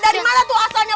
dari mana tuh asalnya